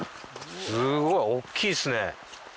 すごい大っきいですね。